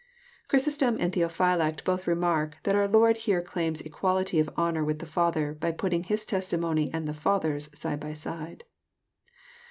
Ohrysostom and Theophylact both remark that our Lord here claims equality of honour with the Father, by putting His testi mony and the Father's side by side.